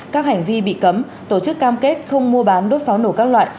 các hành vi bị cấm tổ chức cam kết không mua bán đốt pháo nổ các loại